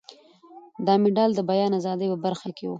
دا مډال د بیان ازادۍ په برخه کې و.